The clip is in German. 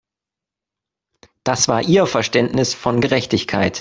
Das war ihr Verständnis von Gerechtigkeit.